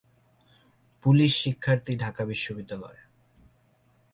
পুলিশশিক্ষার্থীঢাকা বিশ্ববিদ্যালয়